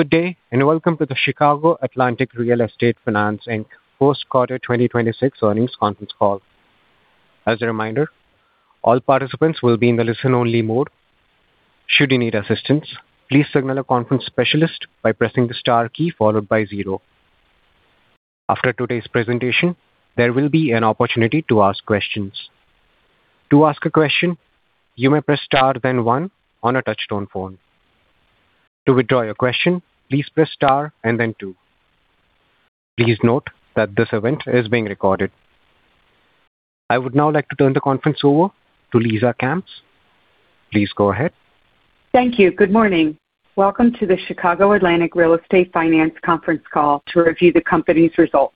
Good day. Welcome to the Chicago Atlantic Real Estate Finance Inc. fourth quarter 2026 earnings conference call. As a reminder, all participants will be in the listen only mode. Should you need assistance, please signal a conference specialist by pressing the star key followed by zero. After today's presentation, there will be an opportunity to ask questions. To ask a question, you may press star then one on a touch tone phone. To withdraw your question, please press star and then two. Please note that this event is being recorded. I would now like to turn the conference over to Lisa Kampf. Please go ahead. Thank you. Good morning. Welcome to the Chicago Atlantic Real Estate Finance conference call to review the company's results.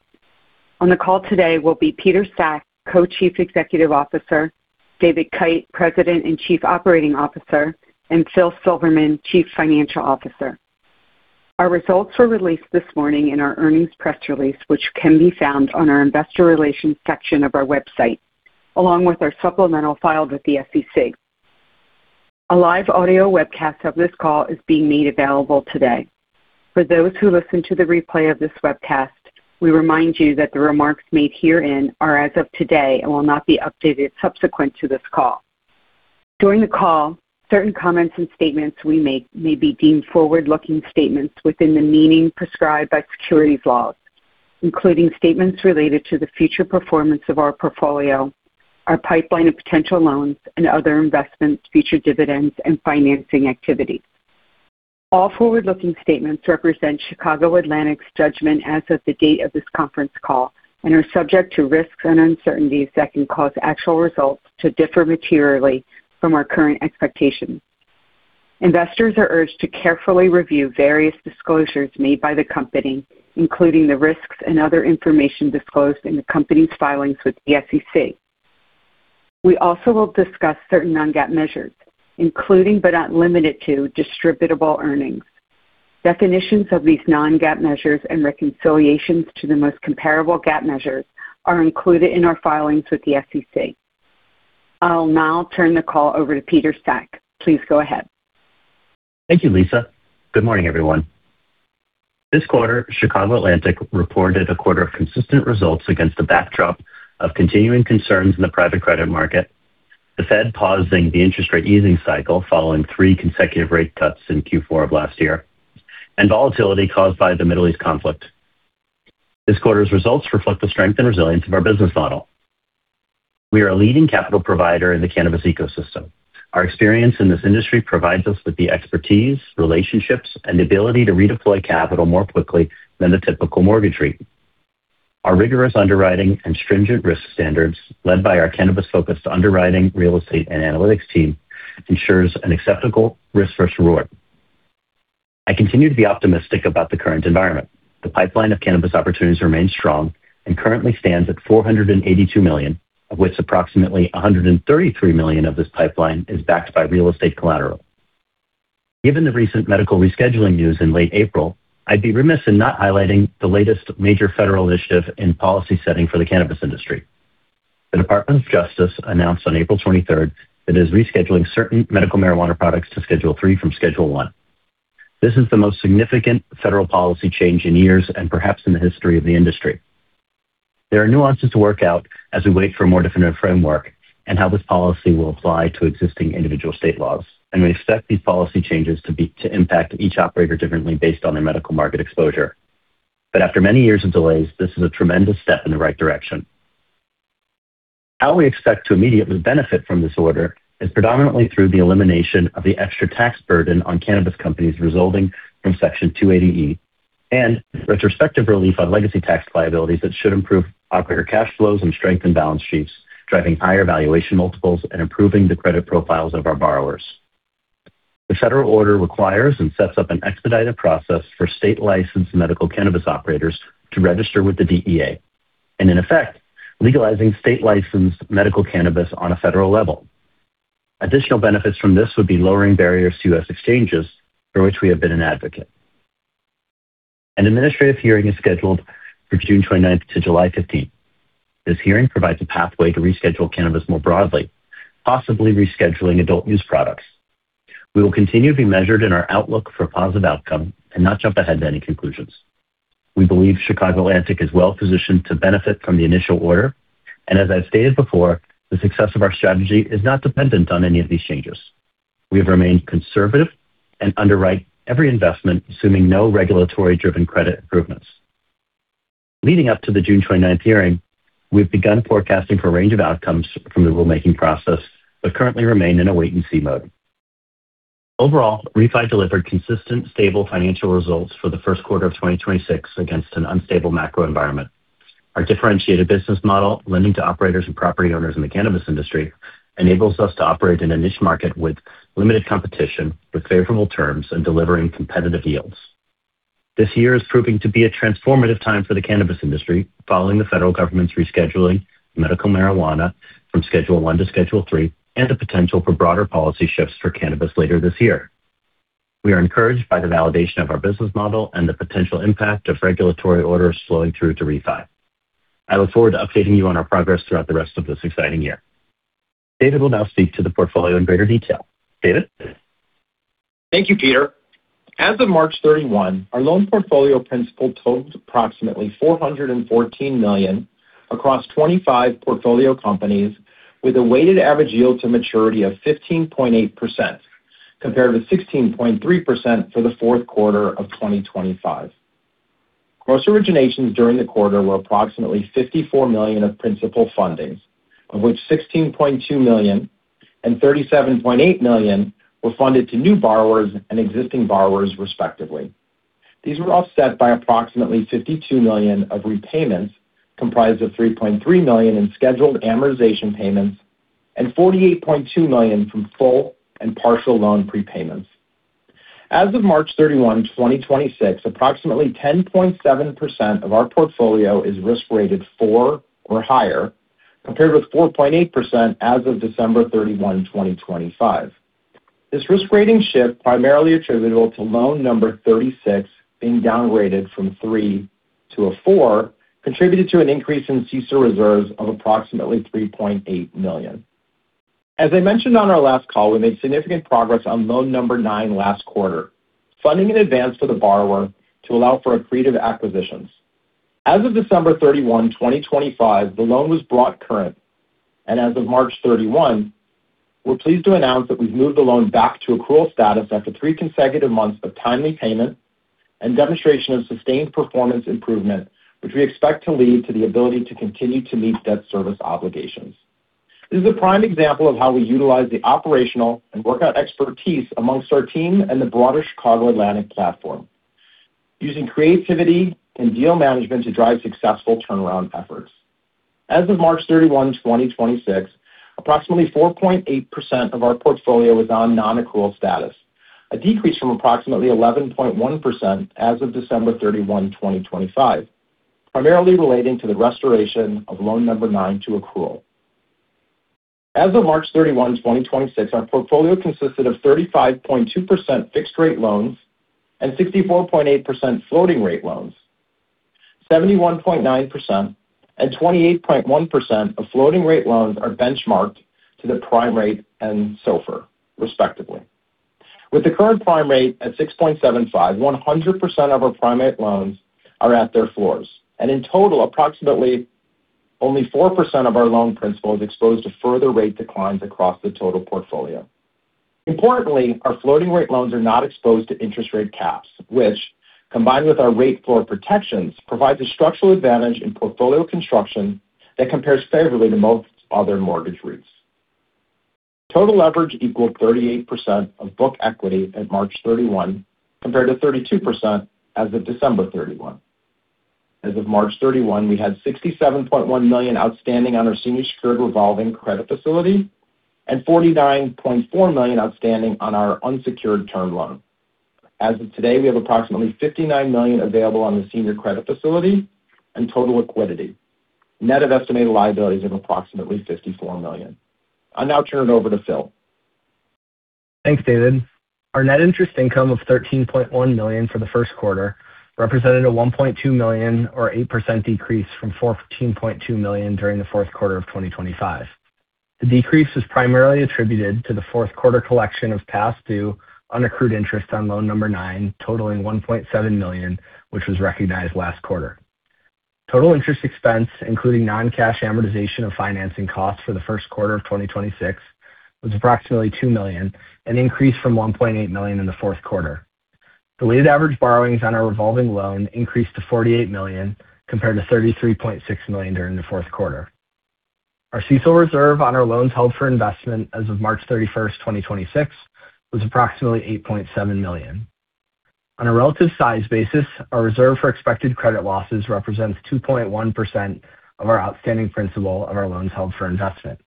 On the call today will be Peter Sack, Co-Chief Executive Officer, David Kite, President and Chief Operating Officer, and Phillip Silverman, Chief Financial Officer. Our results were released this morning in our earnings press release, which can be found on our investor relations section of our website, along with our supplemental filed with the SEC. A live audio webcast of this call is being made available today. For those who listen to the replay of this webcast, we remind you that the remarks made herein are as of today and will not be updated subsequent to this call. During the call, certain comments and statements we make may be deemed forward-looking statements within the meaning prescribed by securities laws, including statements related to the future performance of our portfolio, our pipeline of potential loans and other investments, future dividends, and financing activity. All forward-looking statements represent Chicago Atlantic's judgment as of the date of this conference call and are subject to risks and uncertainties that can cause actual results to differ materially from our current expectations. Investors are urged to carefully review various disclosures made by the company, including the risks and other information disclosed in the company's filings with the SEC. We also will discuss certain non-GAAP measures, including, but not limited to, distributable earnings. Definitions of these non-GAAP measures and reconciliations to the most comparable GAAP measures are included in our filings with the SEC. I'll now turn the call over to Peter Sack. Please go ahead. Thank you, Lisa. Good morning, everyone. This quarter, Chicago Atlantic reported a quarter of consistent results against the backdrop of continuing concerns in the private credit market, the Fed pausing the interest rate easing cycle following three consecutive rate cuts in Q4 of last year, and volatility caused by the Middle East conflict. This quarter's results reflect the strength and resilience of our business model. We are a leading capital provider in the cannabis ecosystem. Our experience in this industry provides us with the expertise, relationships, and ability to redeploy capital more quickly than the typical mortgage REIT. Our rigorous underwriting and stringent risk standards, led by our cannabis-focused underwriting, real estate, and analytics team, ensures an acceptable risk-versus-reward. I continue to be optimistic about the current environment. The pipeline of cannabis opportunities remains strong and currently stands at $482 million, of which approximately $133 million of this pipeline is backed by real estate collateral. Given the recent medical rescheduling news in late April, I'd be remiss in not highlighting the latest major federal initiative in policy setting for the cannabis industry. The Department of Justice announced on April 23rd it is rescheduling certain medical marijuana products to Schedule III from Schedule I. This is the most significant federal policy change in years and perhaps in the history of the industry. There are nuances to work out as we wait for a more definitive framework and how this policy will apply to existing individual state laws. We expect these policy changes to impact each operator differently based on their medical market exposure. After many years of delays, this is a tremendous step in the right direction. How we expect to immediately benefit from this order is predominantly through the elimination of the extra tax burden on cannabis companies resulting from Section 280E and retrospective relief on legacy tax liabilities that should improve operator cash flows and strengthen balance sheets, driving higher valuation multiples and improving the credit profiles of our borrowers. The federal order requires and sets up an expedited process for state-licensed medical cannabis operators to register with the DEA and, in effect, legalizing state-licensed medical cannabis on a federal level. Additional benefits from this would be lowering barriers to U.S. exchanges, for which we have been an advocate. An administrative hearing is scheduled for June 29th to July 15th. This hearing provides a pathway to reschedule cannabis more broadly, possibly rescheduling adult use products. We will continue to be measured in our outlook for a positive outcome and not jump ahead to any conclusions. We believe Chicago Atlantic is well-positioned to benefit from the initial order, and as I've stated before, the success of our strategy is not dependent on any of these changes. We have remained conservative and underwrite every investment assuming no regulatory-driven credit improvements. Leading up to the June twenty-ninth hearing, we've begun forecasting for a range of outcomes from the rulemaking process but currently remain in a wait-and-see mode. Overall, REFI delivered consistent, stable financial results for the first quarter of 2026 against an unstable macro environment. Our differentiated business model, lending to operators and property owners in the cannabis industry, enables us to operate in a niche market with limited competition, with favorable terms and delivering competitive yields. This year is proving to be a transformative time for the cannabis industry following the federal government's rescheduling medical marijuana from Schedule I to Schedule III and the potential for broader policy shifts for cannabis later this year. We are encouraged by the validation of our business model and the potential impact of regulatory orders flowing through to REFI. I look forward to updating you on our progress throughout the rest of this exciting year. David will now speak to the portfolio in greater detail. David? Thank you, Peter. As of March 31, our loan portfolio principal totaled approximately $414 million across 25 portfolio companies with a weighted average yield to maturity of 15.8%, compared with 16.3% for the fourth quarter of 2025. Gross originations during the quarter were approximately $54 million of principal fundings, of which $16.2 million and $37.8 million were funded to new borrowers and existing borrowers, respectively. These were offset by approximately $52 million of repayments, comprised of $3.3 million in scheduled amortization payments and $48.2 million from full and partial loan prepayments. As of March 31, 2026, approximately 10.7% of our portfolio is risk rated four or higher, compared with 4.8% as of December 31, 2025. This risk rating shift, primarily attributable to Loan No. 36 being downgraded from three to a four, contributed to an increase in CECL reserves of approximately $3.8 million. As I mentioned on our last call, we made significant progress on Loan No. 9 last quarter, funding in advance for the borrower to allow for accretive acquisitions. As of December 31, 2025, the loan was brought current. As of March 31, we're pleased to announce that we've moved the loan back to accrual status after three consecutive months of timely payment and demonstration of sustained performance improvement, which we expect to lead to the ability to continue to meet debt service obligations. This is a prime example of how we utilize the operational and workout expertise amongst our team and the broader Chicago Atlantic platform, using creativity and deal management to drive successful turnaround efforts. As of March 31, 2026, approximately 4.8% of our portfolio was on non-accrual status, a decrease from approximately 11.1% as of December 31, 2025, primarily relating to the restoration of Loan No. 9 To accrual. As of March 31, 2026, our portfolio consisted of 35.2% fixed-rate loans and 64.8% floating-rate loans. 71.9% and 28.1% of floating-rate loans are benchmarked to the prime rate and SOFR, respectively. With the current prime rate at 6.75, 100% of our prime rate loans are at their floors, and in total, approximately only 4% of our loan principal is exposed to further rate declines across the total portfolio. Importantly, our floating-rate loans are not exposed to interest rate caps, which, combined with our rate floor protections, provides a structural advantage in portfolio construction that compares favorably to most other mortgage REITs. Total leverage equaled 38% of book equity at March 31, compared to 32% as of December 31. As of March 31, we had $67.1 million outstanding on our senior secured revolving credit facility and $49.4 million outstanding on our unsecured term loan. As of today, we have approximately $59 million available on the senior credit facility and total liquidity, net of estimated liabilities of approximately $54 million. I'll now turn it over to Phillip. Thanks, David. Our net interest income of $13.1 million for the first quarter represented a $1.2 million or 8% decrease from $14.2 million during the fourth quarter of 2025. The decrease was primarily attributed to the fourth quarter collection of past due on accrued interest on Loan No. 9, totaling $1.7 million, which was recognized last quarter. Total interest expense, including non-cash amortization of financing costs for the first quarter of 2026, was approximately $2 million, an increase from $1.8 million in the fourth quarter. The weighted average borrowings on our revolving loan increased to $48 million, compared to $33.6 million during the fourth quarter. Our CECL reserve on our loans held for investment as of March 31, 2026 was approximately $8.7 million. On a relative size basis, our reserve for expected credit losses represents 2.1% of our outstanding principal of our loans held for investment.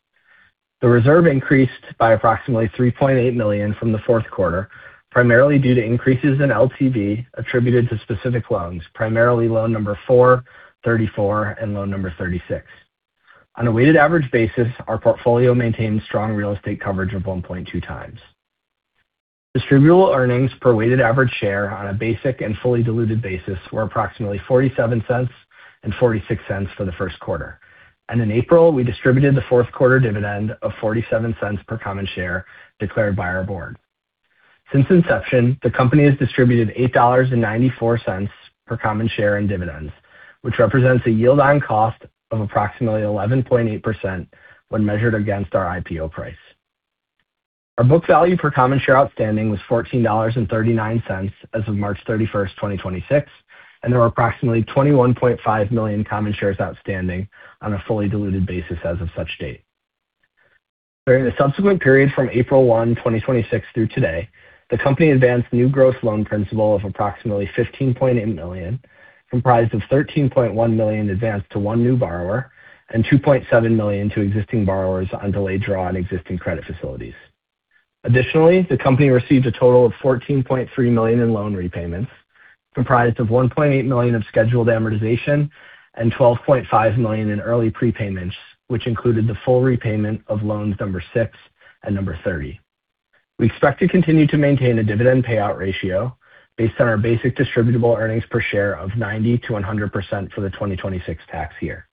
The reserve increased by approximately $3.8 million from the fourth quarter, primarily due to increases in LTV attributed to specific loans, primarily Loan No. 4,Loan No. 34 and Loan No. 36. On a weighted average basis, our portfolio maintained strong real estate coverage of 1.2x. Distributable earnings per weighted average share on a basic and fully diluted basis were approximately $0.47 and $0.46 for the first quarter. In April, we distributed the fourth quarter dividend of $0.47 per common share declared by our board. Since inception, the company has distributed $8.94 per common share in dividends, which represents a yield on cost of approximately 11.8% when measured against our IPO price. Our book value per common share outstanding was $14.39 as of March 31, 2026, and there were approximately 21.5 million common shares outstanding on a fully diluted basis as of such date. During the subsequent period from April 1, 2026 through today, the company advanced new gross loan principal of approximately $15.8 million, comprised of $13.1 million advanced to one new borrower and $2.7 million to existing borrowers on delayed draw on existing credit facilities. Additionally, the company received a total of $14.3 million in loan repayments, comprised of $1.8 million of scheduled amortization and $12.5 million in early prepayments, which included the full repayment of Loans No .6 and No. 30. We expect to continue to maintain a dividend payout ratio based on our basic distributable earnings per share of 90%-100% for the 2026 tax year.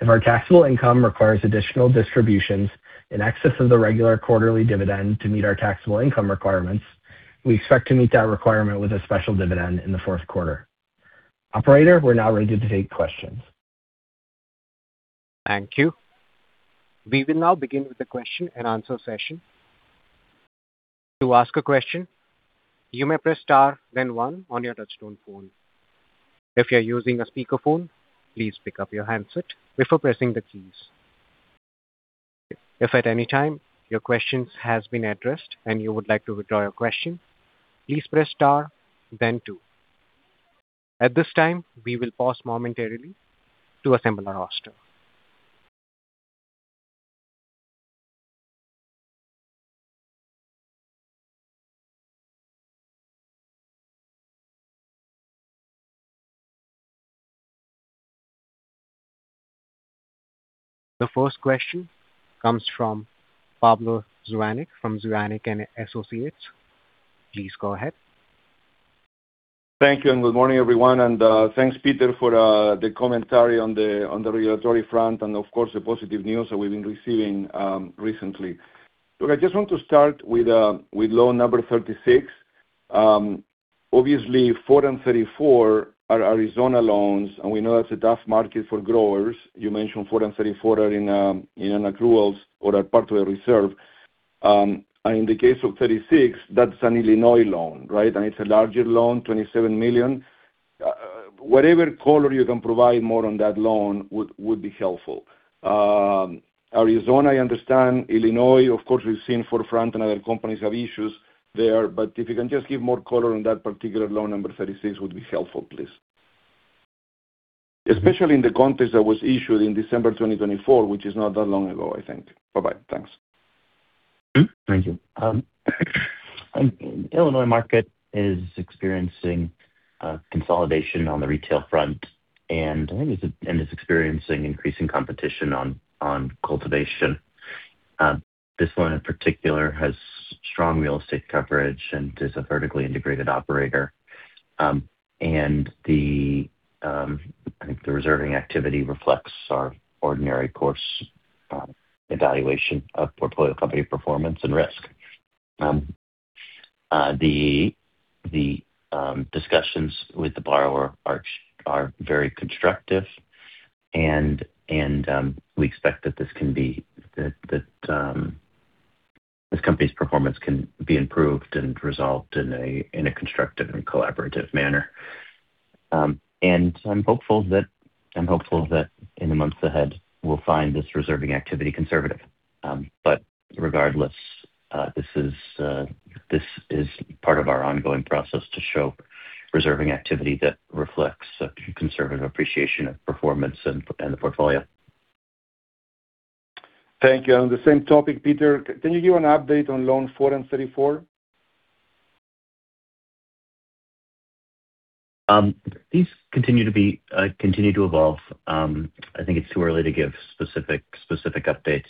If our taxable income requires additional distributions in excess of the regular quarterly dividend to meet our taxable income requirements, we expect to meet that requirement with a special dividend in the fourth quarter. Operator, we're now ready to take questions. Thank you. We will now begin with the question and answer session. To ask a question, you may press star then one on your touchtone phone. If you're using a speakerphone, please pick up your handset before pressing the keys. If at any time your questions has been addressed and you would like to withdraw your question, please press star then two. At this time, we will pause momentarily to assemble our roster. The first question comes from Pablo Zuanic, from Zuanic & Associates. Please go ahead. Thank you, good morning, everyone. Thanks, Peter, for the commentary on the regulatory front and of course, the positive news that we've been receiving recently. Look, I just want to start with Loan No. 36. Obviously, Loan No. 4 and Loan No. 34 are Arizona loans, and we know that's a tough market for growers. You mentioned Loan No. 4 and Loan No. 34 are in accruals or are part of a reserve. In the case of Loan No. 36, that's an Illinois loan, right? It's a larger loan, $27 million. Whatever color you can provide more on that loan would be helpful. Arizona, I understand. Illinois, of course, we've seen 4Front and other companies have issues there. If you can just give more color on that particular Loan No. 36 would be helpful, please. Especially in the context that was issued in December 2024, which is not that long ago, I think. Bye-bye. Thanks. Thank you. Illinois market is experiencing consolidation on the retail front and is experiencing increasing competition on cultivation. This one in particular has strong real estate coverage and is a vertically integrated operator. I think the reserving activity reflects our ordinary course evaluation of portfolio company performance and risk. The discussions with the borrower are very constructive and we expect that this company's performance can be improved and resolved in a constructive and collaborative manner. I'm hopeful that in the months ahead, we'll find this reserving activity conservative. Regardless, this is part of our ongoing process to show reserving activity that reflects a conservative appreciation of performance and the portfolio. Thank you. On the same topic, Peter, can you give an update on Loan No. 4 and Loan No. 34? These continue to evolve. I think it's too early to give specific updates,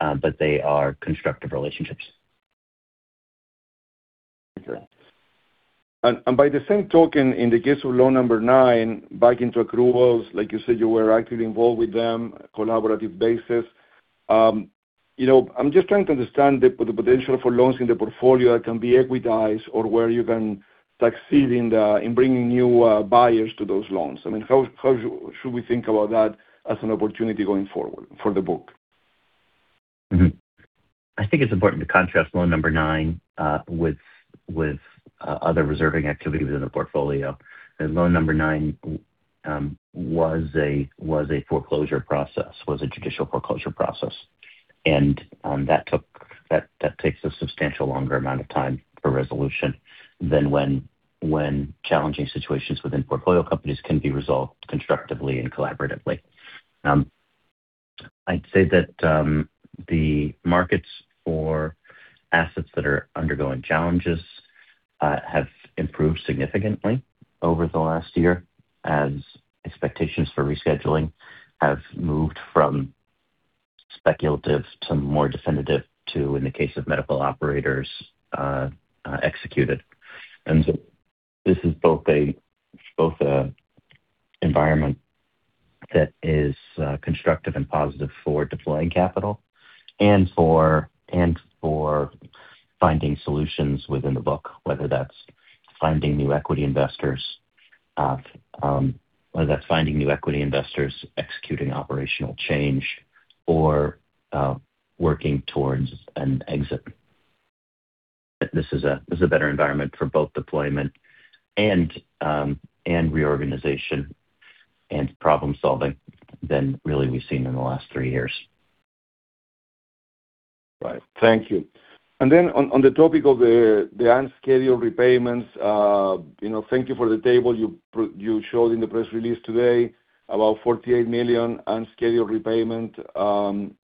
but they are constructive relationships. By the same token, in the case of Loan No. 9, back into accruals, like you said, you were actively involved with them, collaborative basis. You know, I'm just trying to understand the potential for loans in the portfolio that can be equitized or where you can succeed in bringing new buyers to those loans. I mean, how should we think about that as an opportunity going forward for the book? I think it's important to contrast Loan No. 9 with other reserving activities within the portfolio. Loan No. 9 was a foreclosure process, was a judicial foreclosure process. That takes a substantial longer amount of time for resolution than when challenging situations within portfolio companies can be resolved constructively and collaboratively. I'd say that the markets for assets that are undergoing challenges have improved significantly over the last year as expectations for rescheduling have moved from speculative to more definitive to, in the case of medical operators, executed. This is both an environment that is constructive and positive for deploying capital and for finding solutions within the book, whether that's finding new equity investors, executing operational change or working towards an exit. This is a better environment for both deployment and reorganization and problem-solving than really we've seen in the last three years. Right. Thank you. On the topic of the unscheduled repayments, you know, thank you for the table you showed in the press release today about $48 million unscheduled repayment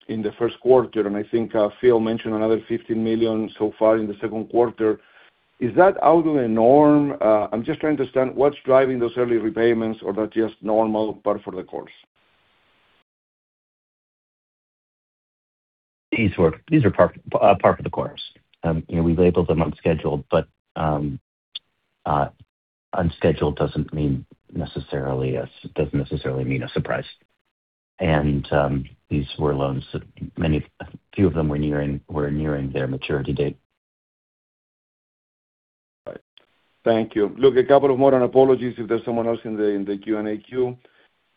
in the first quarter. I think Phil mentioned another $15 million so far in the second quarter. Is that out of the norm? I'm just trying to understand what's driving those early repayments or are they just normal par for the course? These are par for the course. You know, we labeled them unscheduled, but unscheduled doesn't necessarily mean a surprise. These were loans a few of them were nearing their maturity date. Right. Thank you. Look a couple of more. Apologies if there's someone else in the Q&A queue.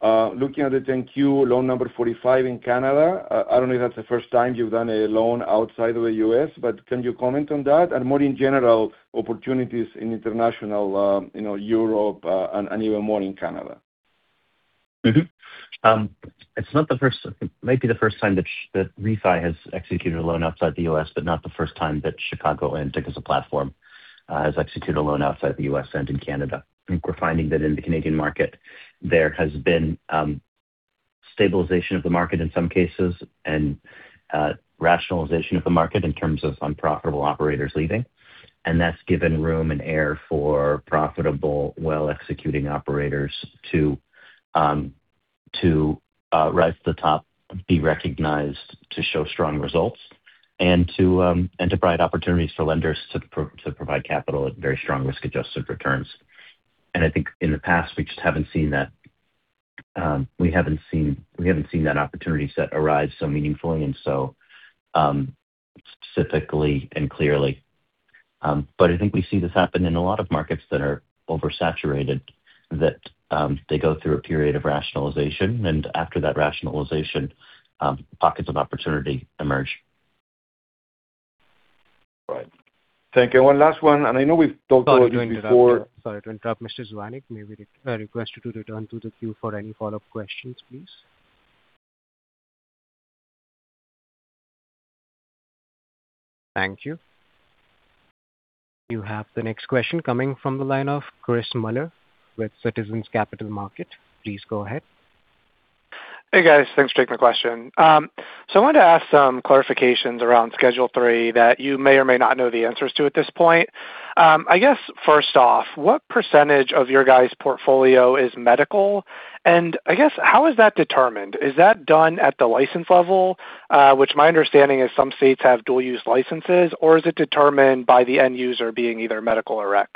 Looking at the 10-Q Loan No. 45 in Canada, I don't know if that's the first time you've done a loan outside of the U.S. Can you comment on that? More in general, opportunities in international you know, Europe, and even more in Canada. It's not the first. It might be the first time that REFI has executed a loan outside the U.S., not the first time that Chicago Atlantic as a platform has executed a loan outside the U.S. and in Canada. I think we're finding that in the Canadian market there has been stabilization of the market in some cases and rationalization of the market in terms of unprofitable operators leaving. That's given room and air for profitable, well-executing operators to rise to the top, be recognized to show strong results, and to provide opportunities for lenders to provide capital at very strong risk-adjusted returns. I think in the past we just haven't seen that, we haven't seen that opportunity set arise so meaningfully and so specifically and clearly. I think we see this happen in a lot of markets that are oversaturated, that, they go through a period of rationalization and after that rationalization, pockets of opportunity emerge. Right. Thank you. One last one, and I know we've talked already before. Sorry to interrupt, Mr. Zuanic. May we request you to return to the queue for any follow-up questions, please? Thank you. You have the next question coming from the line of Chris Muller with Citizens Capital Markets. Please go ahead. Hey, guys. Thanks for taking the question. I wanted to ask some clarifications around Schedule Three that you may or may not know the answers to at this point. I guess first off, what % of your guys' portfolio is medical? I guess, how is that determined? Is that done at the license level? Which my understanding is some states have dual use licenses, or is it determined by the end user being either medical or rec?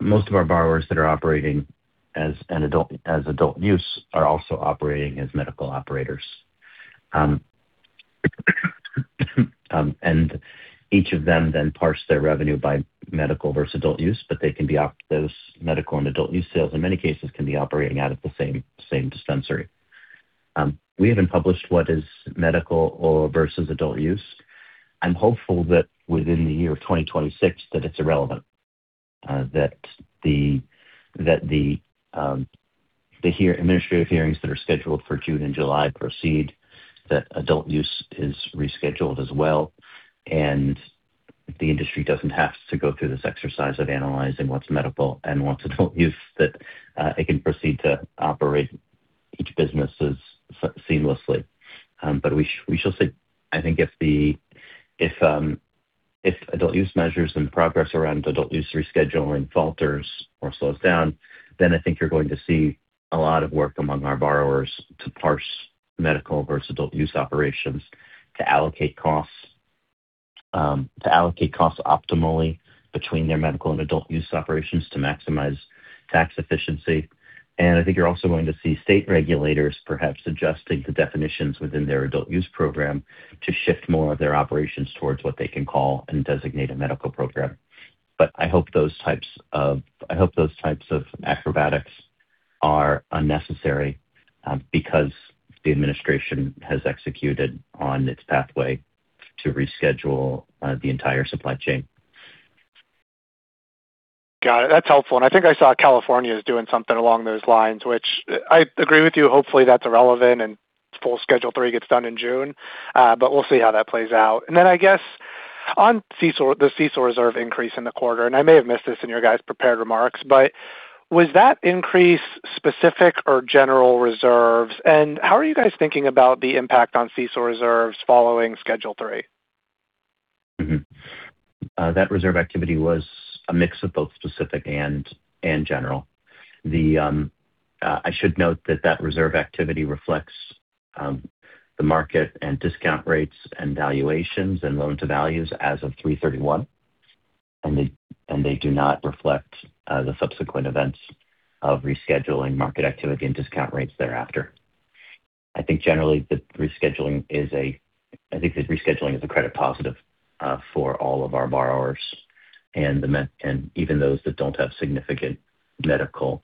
Most of our borrowers that are operating as adult use are also operating as medical operators. Each of them then parse their revenue by medical versus adult use, but those medical and adult use sales in many cases can be operating out of the same dispensary. We haven't published what is medical or versus adult use. I'm hopeful that within the year of 2026 that it's irrelevant, that the administrative hearings that are scheduled for June and July proceed, that adult use is rescheduled as well, the industry doesn't have to go through this exercise of analyzing what's medical and what's adult use. That it can proceed to operate each businesses seamlessly. We shall see. I think if the, if adult use measures and progress around adult use rescheduling falters or slows down, I think you're going to see a lot of work among our borrowers to parse medical versus adult use operations to allocate costs, to allocate costs optimally between their medical and adult use operations to maximize tax efficiency. I think you're also going to see state regulators perhaps adjusting the definitions within their adult use program to shift more of their operations towards what they can call and designate a medical program. I hope those types of acrobatics are unnecessary, because the administration has executed on its pathway to reschedule the entire supply chain. Got it. That's helpful. I think I saw California is doing something along those lines, which I agree with you. Hopefully, that's irrelevant and full Schedule 3 gets done in June. We'll see how that plays out. Then I guess on CECL, the CECL reserve increase in the quarter, and I may have missed this in your guys prepared remarks, but was that increase specific or general reserves? How are you guys thinking about the impact on CECL reserves following Schedule 3? That reserve activity was a mix of both specific and general. I should note that that reserve activity reflects the market and discount rates and valuations and loan to values as of 3/31, and they do not reflect the subsequent events of rescheduling market activity and discount rates thereafter. I think generally the rescheduling is a credit positive for all of our borrowers and even those that don't have significant medical,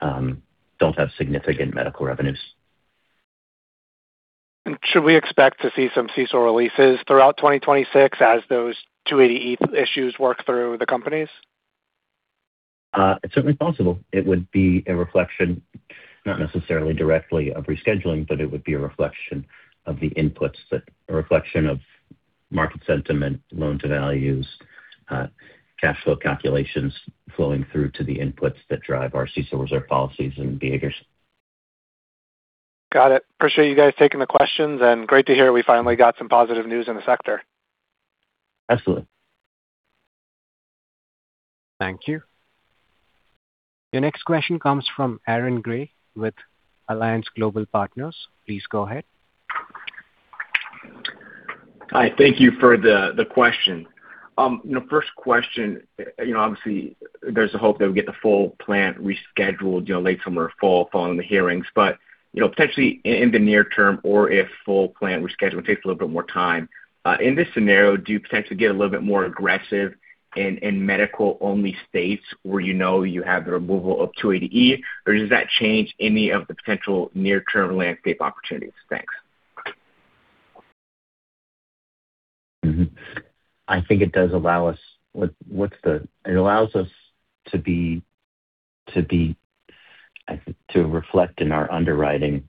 don't have significant medical revenues. Should we expect to see some CECL releases throughout 2026 as those 280E issues work through the companies? It's certainly possible. It would be a reflection, not necessarily directly of rescheduling, but it would be a reflection of the inputs a reflection of market sentiment, loan to values, cash flow calculations flowing through to the inputs that drive our CECL reserve policies and behaviors. Got it. Appreciate you guys taking the questions and great to hear we finally got some positive news in the sector. Excellent. Thank you. Your next question comes from Aaron Grey with Alliance Global Partners. Please go ahead. Hi. Thank you for the question. You know first question, you know, obviously there's a hope that we get the full plan rescheduled, you know, late summer or fall following the hearings. You know, potentially in the near term or if full plan rescheduling takes a little bit more time, in this scenario, do you potentially get a little bit more aggressive in medical-only states where you know you have the removal of 280E? Does that change any of the potential near-term landscape opportunities? Thanks. I think it does allow us to be, I think to reflect in our underwriting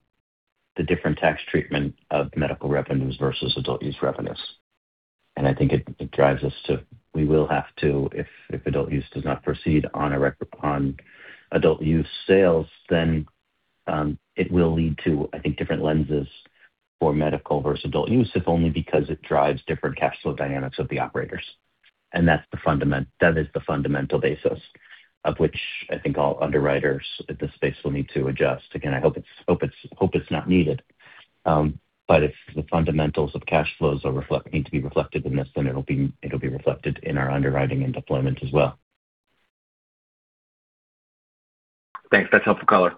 the different tax treatment of medical revenues versus adult use revenues. I think it drives us to, we will have to if adult use does not proceed on adult use sales, it will lead to, I think, different lenses for medical versus adult use, if only because it drives different cash flow dynamics of the operators. That's the fundamental basis of which I think all underwriters at this space will need to adjust. Again, I hope it's not needed, but if the fundamentals of cash flows need to be reflected in this, it'll be reflected in our underwriting and deployment as well. Thanks. That's helpful color.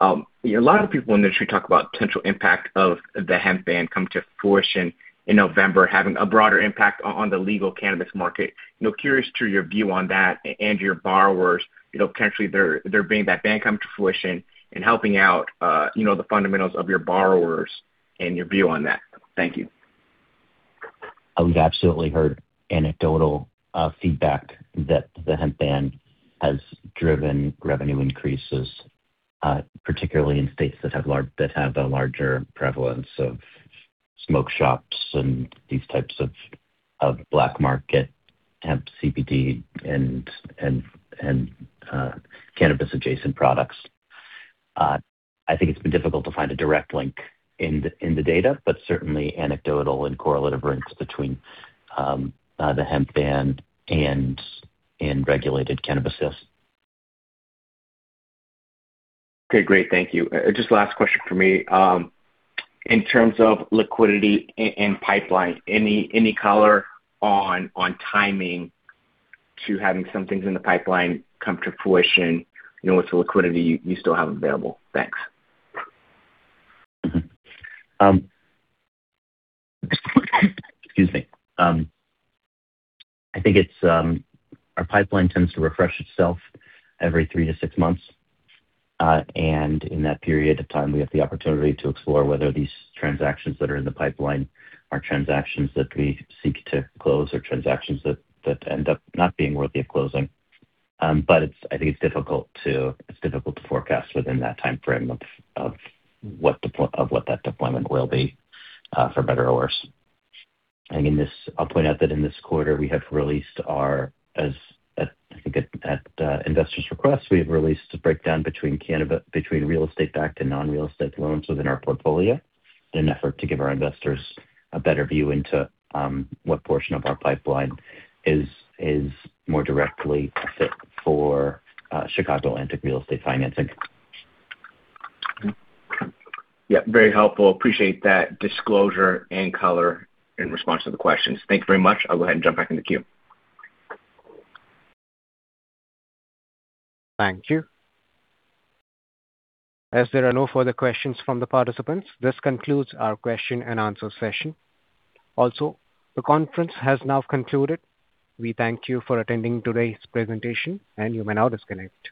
A lot of people in the industry talk about potential impact of the hemp ban coming to fruition in November, having a broader impact on the legal cannabis market. You know, curious to your view on that and your borrowers, you know, potentially their being that ban come to fruition and helping out, you know, the fundamentals of your borrowers and your view on that. Thank you. We've absolutely heard anecdotal feedback that the hemp ban has driven revenue increases, particularly in states that have a larger prevalence of smoke shops and these types of black market hemp, CBD and cannabis-adjacent products. I think it's been difficult to find a direct link in the, in the data, but certainly anecdotal and correlative links between the hemp ban and regulated cannabis sales. Okay. Great. Thank you. Just last question for me. In terms of liquidity and pipeline, any color on timing to having some things in the pipeline come to fruition, you know, with the liquidity you still have available? Thanks. Excuse me. I think it's our pipeline tends to refresh itself every three to six months. In that period of time we have the opportunity to explore whether these transactions that are in the pipeline are transactions that we seek to close or transactions that end up not being worthy of closing. It's, I think it's difficult to, it's difficult to forecast within that timeframe of what that deployment will be, for better or worse. I'll point out that in this quarter we have released our, as at, investors' request, we have released a breakdown between real estate backed and non-real estate loans within our portfolio in an effort to give our investors a better view into what portion of our pipeline is more directly a fit for Chicago Atlantic Real Estate Financing. Yeah, very helpful. Appreciate that disclosure and color in response to the questions. Thank you very much. I'll go ahead and jump back in the queue. Thank you. As there are no further questions from the participants, this concludes our question and answer session. The conference has now concluded. We thank you for attending today's presentation, and you may now disconnect.